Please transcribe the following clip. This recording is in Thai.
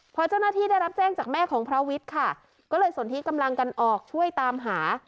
พอเจ้าหน้าที่ได้รับแจ้งจากแม่ของพระวิทย์ค่ะก็เลยสนที่กำลังกันออกช่วยตามหา